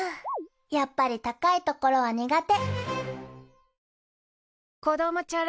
やっぱり高いところは苦手。